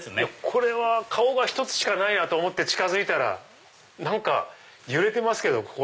これは顔が１つしかないと思って近づいたら何か揺れてますけど。